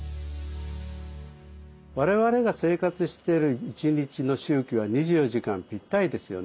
我々が生活している一日の周期は２４時間ピッタリですよね。